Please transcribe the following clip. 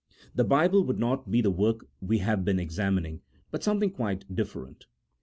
The Bible would not be the work we have been examining, but something quite different.